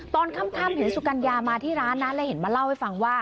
ตอนค่ำสุกัญญามาที่ร้านนั้นเรียกแล้วเล่าให้ฟังว่า